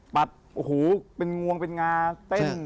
ตัดโอ้โหเป็นงวงเป็นงาเต้น